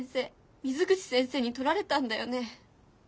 水口先生にとられたんだよね？